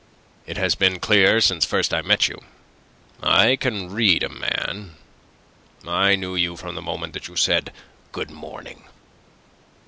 It has been clear since first I met you. I can read a man. I knew you from the moment that you said 'good morning.